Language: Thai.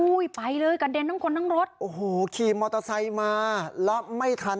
โอ้ยไปเลยสัดเดินทั้งคนทั้งรถโอ้โหขี่มอเตอร์ไซข์มา